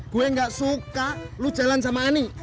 gue gak suka lu jalan sama ani